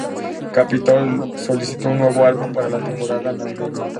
Capitol solicitó un nuevo álbum para la temporada navideña.